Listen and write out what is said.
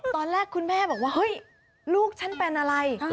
ตอนแรกคุณแม่บอกว่าเฮ้ยลูกฉันเป็นอะไร